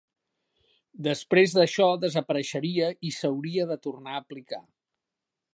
Després d'això desapareixeria i s'hauria de tornar a aplicar.